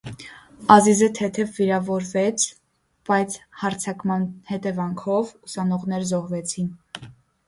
Ազիզը թեթև վիրավորվեց, բայց հարձակման հետևանքով ուսանողներ զոհվեցին։